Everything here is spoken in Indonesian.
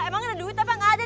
emang ada duit apa nggak ada